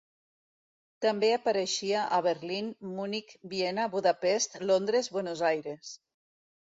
També apareixia a Berlín, Munic, Viena, Budapest, Londres, Buenos Aires.